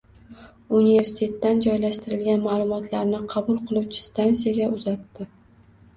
Universitetda joylashtirilgan maʼlumotlarni qabul qiluvchi stantsiyaga uzatdi.